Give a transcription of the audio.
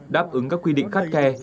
đáp ứng các quy định khắt khe